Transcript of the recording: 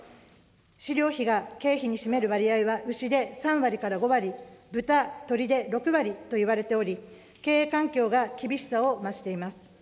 飼料費が経費に占める割合は、牛で３割から５割、豚・鶏で６割といわれており、経営環境が厳しさを増しています。